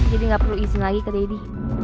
jadi ga perlu izin lagi ke didi